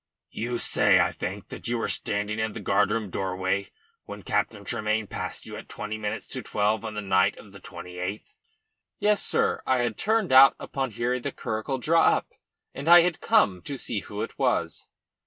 "You said, I think, that you were standing in the guardroom doorway when Captain Tremayne passed you at twenty minutes to twelve on the night of the 28th?" "Yes, sir. I had turned out upon hearing the curricle draw up. I had come to see who it was."